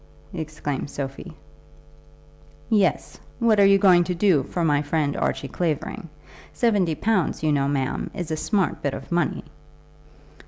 exclaimed Sophie. "Yes. What are you going to do for my friend Archie Clavering? Seventy pounds, you know, ma'am, is a smart bit of money!"